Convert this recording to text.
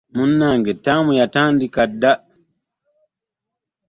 Munnange ttamu yatandika dda.